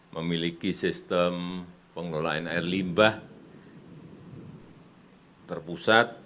memiliki sistem pengelolaan air limbah terpusat